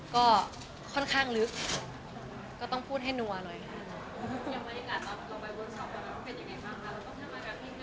ก็ค่อนข้างลึกก็ต้องพูดให้นัวหน่อยค่ะ